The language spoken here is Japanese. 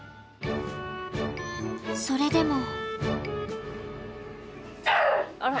それでも。